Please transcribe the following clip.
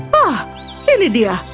hah ini dia